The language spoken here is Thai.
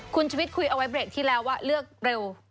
คุณชุวิตคุยเอาไว้เบรกที่แล้วว่าเลือกเร็ว